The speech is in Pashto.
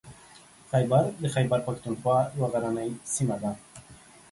خیبر د خیبر پښتونخوا یوه غرنۍ سیمه ده.